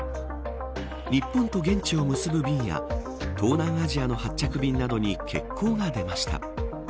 日本と現地を結ぶ便や東南アジアの発着便などに欠航が出ました。